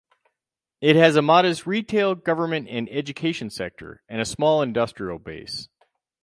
It has a modest retail, government and education sector, and a small industrial base.